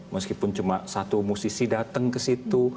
meskipun cuma satu musisi datang ke situ